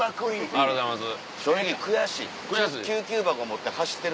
ありがとうございます。